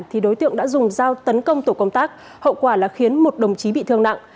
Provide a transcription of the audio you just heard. thì đối tượng đã dùng dao tấn công tổ công tác hậu quả là khiến một đồng chí bị thương nặng